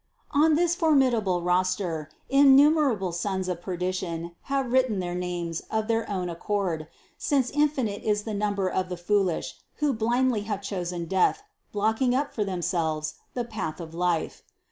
On this formidable roster innumerable sons of perdition have written their names of their own accord, since infinite is the number of the foolish, who blindly have chosen death, blocking up for themselves the path of life.